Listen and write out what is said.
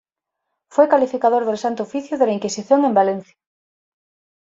Fue calificador del Santo Oficio de la Inquisición en Valencia.